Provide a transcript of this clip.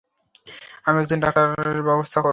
আমি একজন ডাক্তারের ব্যবস্থাও করব।